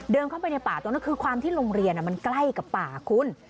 เดินเข้าไปในป่าคือความที่โรงเรียนมันใกล้การป่าคุ้น